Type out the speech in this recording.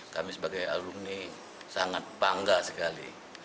kami sebagai alumni sangat bangga sekali